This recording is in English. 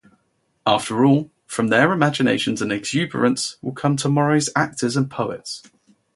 After all, from their imaginations and exuberance will come tomorrow's actors and poets.